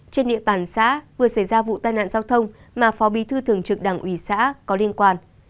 trên địa bàn xã vừa xảy ra vụ tai nạn giao thông mà phó bí thư thường trực đảng ủy xã có liên quan